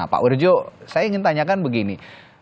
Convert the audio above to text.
pak urjo saya ingin tanyakan begini